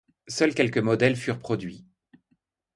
Seuls quelques modèles furent produits.